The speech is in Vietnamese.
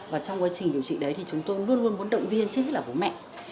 và trong quá trình điều trị đấy thì chúng tôi luôn luôn muốn động viên trước hết là bố mẹ